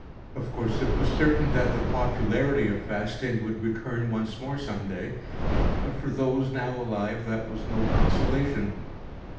Of course, it was certain that the popularity of fasting would return once more someday, but for those now alive that was no consolation.